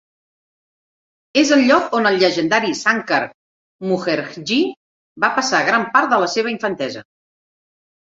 És el lloc on el llegendari Sankar Mukherjee va passar gran part de la seva infantesa.